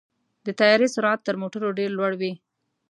د طیارې سرعت تر موټرو ډېر لوړ وي.